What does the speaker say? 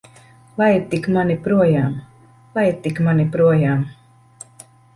Laid tik mani projām! Laid tik mani projām!